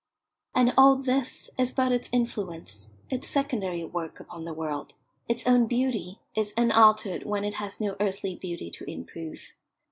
And all this is but its influence, its secondary work upon the world. Its own beauty is unaltered when it has no earthly beauty to improve.